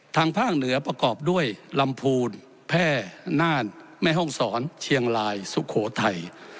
ทางภาคเหนือประกอบด้วยลำพูนแพร่น่านแม่ห้องศรเชียงรายสุโขทัย